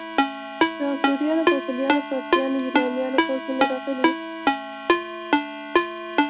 د اسوریانو، بابلیانو، فارسیانو، یونانیانو پوځونه راغلي.